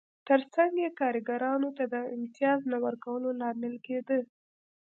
ترڅنګ یې کارګرانو ته د امتیاز نه ورکولو لامل کېده